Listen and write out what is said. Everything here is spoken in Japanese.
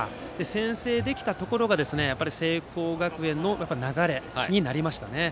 先制できたところが聖光学院の流れになりましたね。